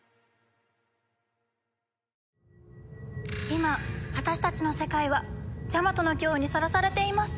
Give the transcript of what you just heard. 今私たちの世界はジャマトの脅威にさらされています。